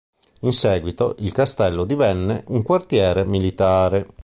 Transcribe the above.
In seguito, il castello divenne un quartiere militare.